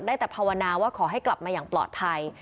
ได้แต่ภาวนาว่าขอให้กลับมาอย่างปลอดภัย